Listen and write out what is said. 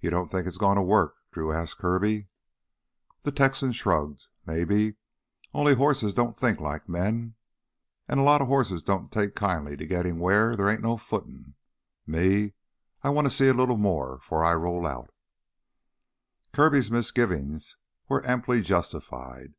"You don't think it's goin' to work?" Drew asked Kirby. The Texan shrugged. "Maybe, only hosses don't think like men. An' a lotta hosses don't take kindly to gittin' wheah theah ain't no footin'. Me, I want to see a little more, 'fore I roll out " Kirby's misgivings were amply justified.